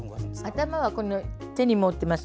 頭は、手に持っています